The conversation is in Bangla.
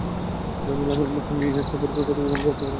জানে, লামিয়ার মতো মেয়ে এমন একটা পরীক্ষার কথা জীবনেও ভাবতে পারবে না।